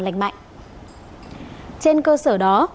lành mạnh trên cơ sở đó